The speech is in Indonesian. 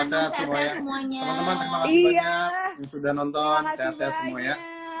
teman teman terima kasih banyak yang sudah nonton sehat sehat semuanya